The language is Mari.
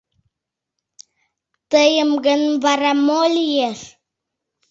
Тыйым гын, вара мо лиеш?